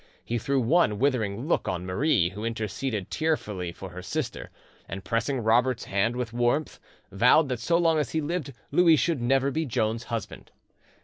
He threw one withering look on Marie, who interceded tearfully for her sister, and pressing Robert's hand with warmth, vowed that so long as he lived Louis should never be Joan's husband.